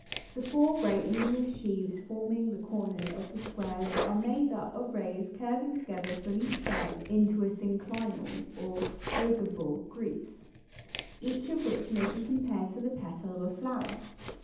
The four great luminous sheaves forming the corners of the square are made up of rays curving together from each side into "synclinal" or ogival groups, each of which may be compared to the petal of a flower.